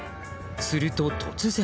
すると突然。